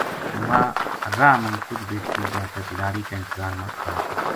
راہ ما کُجھ بیٹکی جاتک لاری کا انتظار ما کھلا تھا